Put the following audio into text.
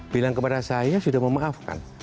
bilang kepada saya sudah memaafkan